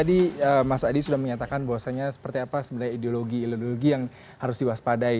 jadi mas adi sudah menyatakan bahwasannya seperti apa sebenarnya ideologi ideologi yang harus diwaspadai